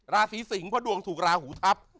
ลาศีสิงพอดวงถูกราหูทัพ